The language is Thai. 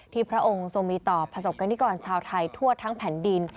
ที่พระองค์ส่งมีต่อผสบกันดิกรชาวไทยทั่วทั้งแผ่นดิน